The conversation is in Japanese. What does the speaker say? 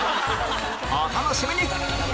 お楽しみに！